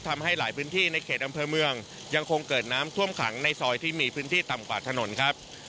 ทำให้หลายพื้นที่ในเขตอำเภอเมืองยังคงเกิดน้ำท่วมขังในซอยที่มีพื้นที่ต่ำกว่าถนนครับ